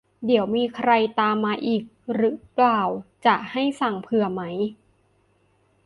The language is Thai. เดี๋ยวมีใครตามมาอีกรึเปล่า จะให้สั่งเผื่อไหม